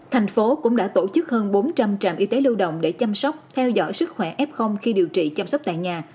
trung tâm đã tổ chức hơn bốn trăm linh trạm y tế lưu động để chăm sóc theo dõi sức khỏe f khi điều trị chăm sóc tại nhà